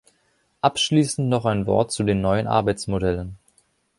Abschließend noch ein Wort zu den neuen Arbeitsmodellen.